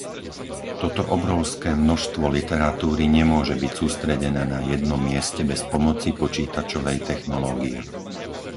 Toto obrovské množstvo literatúry nemôže byť sústredené na jednom mieste bez pomoci počítačovej technológie.